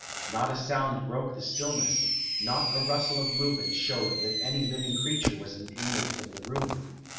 Not a sound broke the stillness, not a rustle of movement showed that any living creature was an inmate of the room.